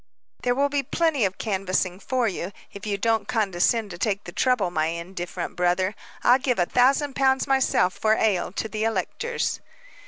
"There will be plenty canvassing for you, if you don't condescend to take the trouble, my indifferent brother. I'll give a thousand pounds myself, for ale, to the electors."